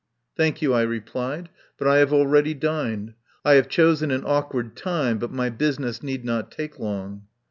"Thank you," I replied, "but I have already dined. I have chosen an awkward time, but my business need not take long."